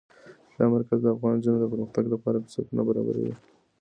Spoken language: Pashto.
دا مرکز د افغان نجونو د پرمختګ لپاره فرصتونه برابروي.